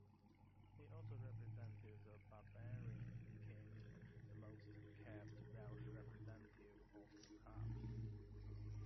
He also represented the Barbarians becoming the most capped Welsh representative of the club.